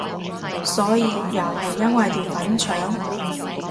所以又係因為條粉腸？